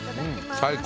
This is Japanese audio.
最高！